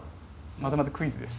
またまたクイズです。